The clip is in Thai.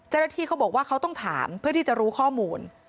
เจ้าหน้าที่เขาบอกว่าเขาต้องถามเพื่อที่จะรู้ข้อมูล